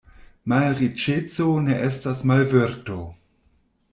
Malriĉeco ne estas malvirto.